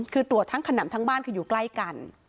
คือตรวจทั้งขนำทั้งบ้านคืออยู่ใกล้กัน